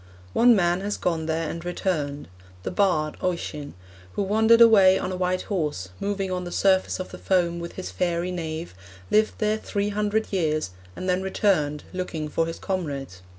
'One man has gone there and returned. The bard, Oisen, who wandered away on a white horse, moving on the surface of the foam with his fairy Niamh lived there three hundred years, and then returned looking for his comrades.